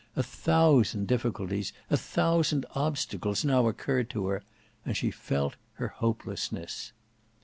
A thousand difficulties, a thousand obstacles now occurred to her; and she felt her hopelessness.